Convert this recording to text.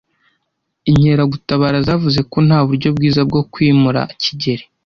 Inkeragutabara zavuze ko nta buryo bwiza bwo kwimura kigeli.